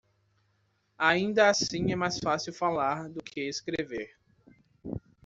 ainda assim é mais fácil falar, do que escrever.